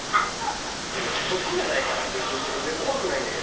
毒がないから別に全然怖くないんだけど。